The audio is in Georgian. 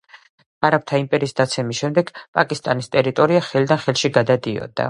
არაბთა იმპერიის დაცემის შემდეგ, პაკისტანის ტერიტორია ხელიდან ხელში გადადიოდა.